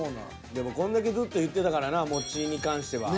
でもこんだけずっと言ってたからなもちに関しては。